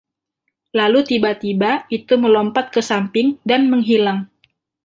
Lalu tiba-tiba itu melompat ke samping dan menghilang.